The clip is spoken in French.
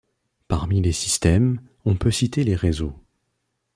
Parmi les systèmes, on peut citer les réseaux.